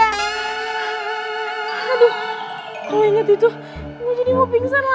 aduh kalo inget itu gue jadi mau pingsan lagi